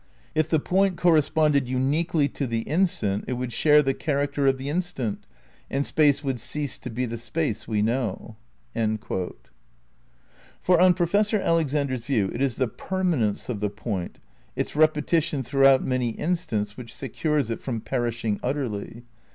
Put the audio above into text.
"If the point corresponded uniquely to the instant it would share the character of the instant and Space would cease to he the Space we know." ' For, on Professor Alexander's view it is the perma nence of the point, its "repetition" throughout many instants which secures it from "perishing" utterly.